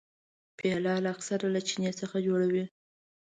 پیاله اکثره له چیني جوړه وي.